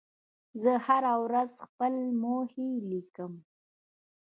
زه هره ورځ خپل موخې لیکم.